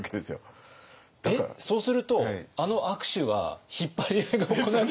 えっそうするとあの握手は引っ張り合いが行われてる？